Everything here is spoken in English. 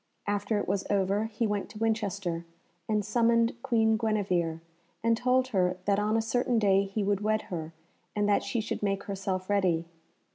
After it was over, he went to Winchester and summoned Queen Guenevere, and told her that on a certain day he would wed her and that she should make herself ready.